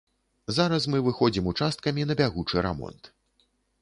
Зараз мы выходзім участкамі на бягучы рамонт.